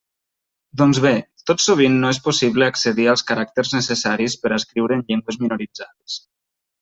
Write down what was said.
Doncs bé, tot sovint no és possible accedir als caràcters necessaris per a escriure en llengües minoritzades.